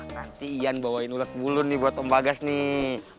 nanti iyan bawain ulet bulu nih buat om bagas nih